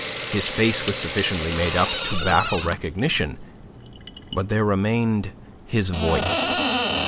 His face was sufficiently made up to baffle recognition; but there remained his voice.